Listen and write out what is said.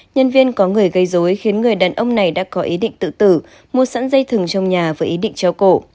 nhân viên có người gây dối khiến người đàn ông này đã có ý định tự tử mua sẵn dây thừng trong nhà với ý định treo cổ